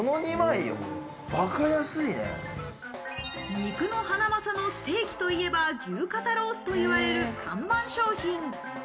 肉のハナマサのステーキといえば牛肩ロースといわれる看板商品。